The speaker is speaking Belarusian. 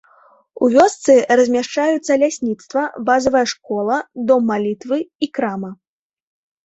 У вёсцы размяшчаюцца лясніцтва, базавая школа, дом малітвы і краму.